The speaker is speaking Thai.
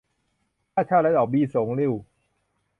ค่าเช่าและดอกเบี้ยสูงลิ่ว